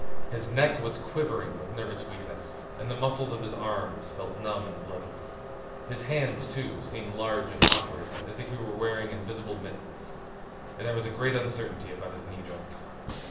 His neck was quivering with nervous weakness and the muscles of his arms felt numb and bloodless. His hands, too, seemed large and awkward as if he was wearing invisible mittens. And there was a great uncertainty about his knee joints.